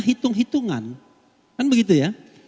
hitung hitungan kan begitu ya